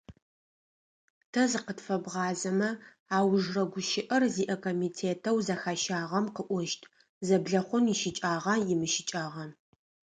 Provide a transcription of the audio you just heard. Тэ зыкъытфэбгъазэмэ, аужрэ гущыӏэр зиӏэ комитетэу зэхащагъэм къыӏощт, зэблэхъун ищыкӏагъа-имыщыкӏагъа.